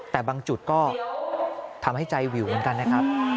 แต่บางจุดก็ทำให้ใจวิวเหมือนกันนะครับ